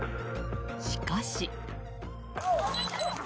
しかし。